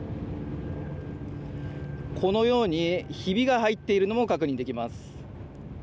このようにひびが入っているのも確認できます。